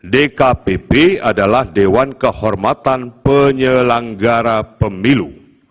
dkpp adalah dewan kehormatan penyelenggara pemilu